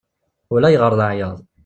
Ulayɣer leɛyaḍ.